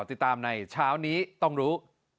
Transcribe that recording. ติดตามในเช้านี้ต้องรู้